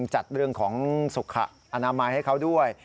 จัดเรื่องของสุขอนามัยให้เขาด้วย